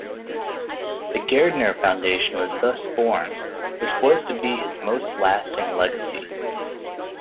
The Gairdner Foundation was thus born, which was to be his most lasting legacy.